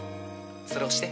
それ押して。